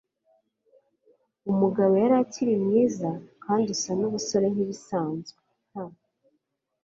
umugabo yari akiri mwiza kandi usa nubusore nkibisanzwe - nta